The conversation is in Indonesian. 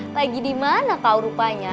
lagi di mana kau rupanya